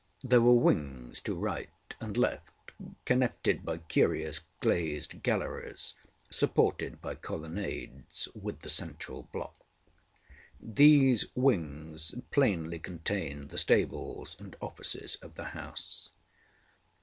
There were wings to right and left, connected by curious glazed galleries, supported by colonnades, with the central block. These wings plainly contained the stables and offices of the house.